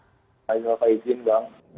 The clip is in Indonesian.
selamat lebaran pak